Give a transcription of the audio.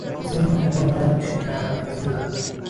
kusema hatakuwa tayari kushirikiana na hezbollah